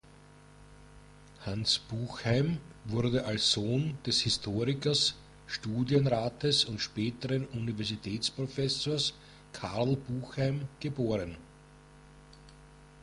Hans Buchheim wurde als Sohn des Historikers, Studienrates und späteren Universitätsprofessors Karl Buchheim geboren.